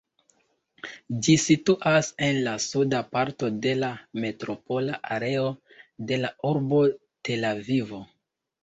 Ĝi situas en la suda parto de la metropola areo de la urbo Tel-Avivo.